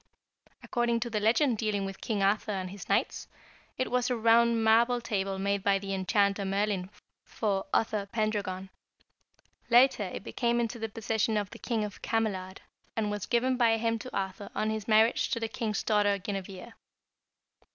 According to the legend dealing with King Arthur and his knights, it was a round marble table made by the Enchanter Merlin for Uther Pendragon. Later it came into the possession of the King of Camelard, and was given by him to Arthur on his marriage to the king's daughter Guinevere.